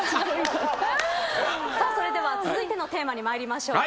それでは続いてのテーマに参りましょう。